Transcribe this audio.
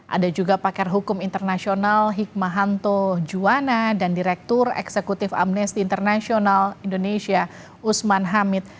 ada juga pakar hukum internasional hikmahanto juwana dan direktur eksekutif amnesty international indonesia usman hamid